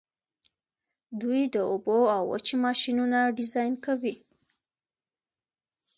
دوی د اوبو او وچې ماشینونه ډیزاین کوي.